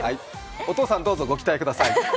お父さん、どうぞご期待ください。